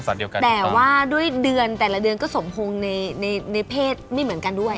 เดียวกันแต่ว่าด้วยเดือนแต่ละเดือนก็สมพงษ์ในในเพศไม่เหมือนกันด้วย